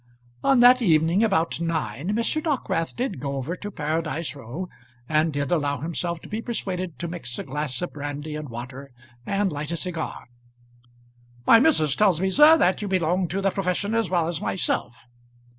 On that evening, about nine, Mr. Dockwrath did go over to Paradise Row, and did allow himself to be persuaded to mix a glass of brandy and water and light a cigar. "My missus tells me, sir, that you belong to the profession as well as myself."